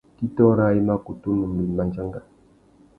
Kitô râā i ma kutu numbe mándjanga.